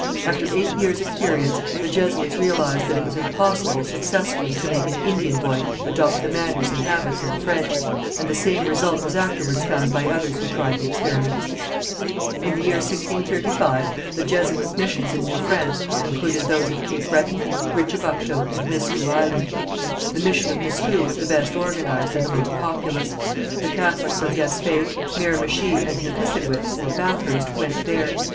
After eight years' experience, the Jesuits realized that it was impossible successfully to make an Indian boy adopt the manners and habits of the French, and the same result was afterwards found by others who tried the experiment. In the year 1635, the Jesuits' missions in New France included those at Cape Breton, Richibucto and Miscou Island. The mission of Miscou was the best organized and the most populous; the Catholics of Gaspé, Miramichi and Nipisiguit (Bathurst) went there.